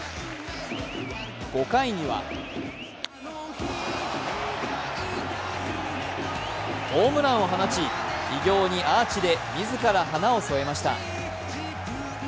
５回には、ホームランを放ち、偉業にアーチで自ら花を添えました。